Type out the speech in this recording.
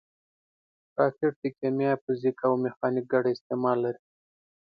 راکټ د کیمیا، فزیک او میخانیک ګډ استعمال لري